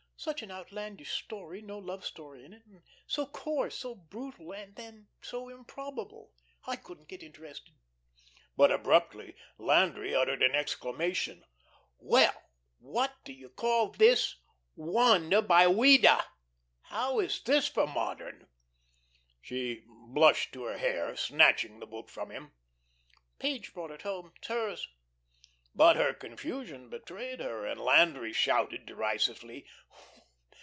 "Such an outlandish story, no love story in it, and so coarse, so brutal, and then so improbable. I couldn't get interested." But abruptly Landry uttered an exclamation: "Well, what do you call this? 'Wanda,' by Ouida. How is this for modern?" She blushed to her hair, snatching the book from him. "Page brought it home. It's hers." But her confusion betrayed her, and Landry shouted derisively.